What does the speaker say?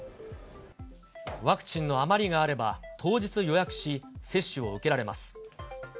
ワクチンの余りがあれば、当日予約し、接種を受けられます。